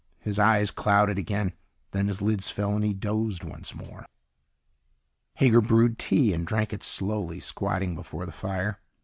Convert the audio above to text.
His eyes clouded again. Then his lids fell, and he dozed once more. Hager brewed tea and drank it slowly, squatting before the fire.